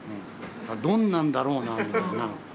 どんなんだろうなみたいな。